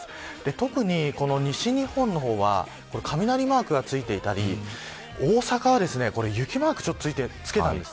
特に西日本の方は雷マークが付いていたり大阪は雪マークを付けたんです。